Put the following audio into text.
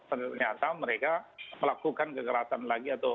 ternyata mereka melakukan kekerasan lagi atau